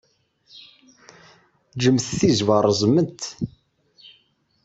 Ǧǧet tizewwa reẓment.